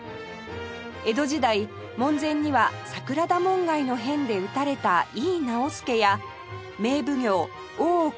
江戸時代門前には桜田門外の変で討たれた井伊直弼や名奉行大岡